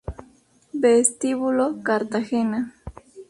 Vestíbulo Cartagena